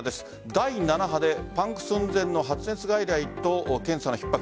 第７波でパンク寸前の発熱外来と検査のひっ迫。